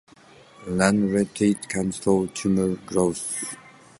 Lanreotide can slow tumor growth.